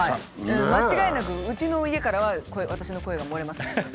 間違いなくうちの家からは私の声が漏れますね。